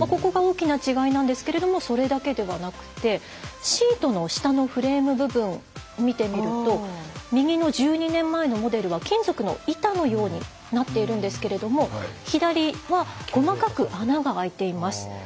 ここが大きな違いなんですけどもそれだけではなくてシートの下のフレーム部分見てみると右の１２年前のモデルは金属の板のようになっているんですけれども左は細かく穴が開いています。